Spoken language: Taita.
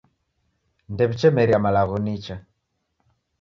Ndew'ichemeria malagho nicha.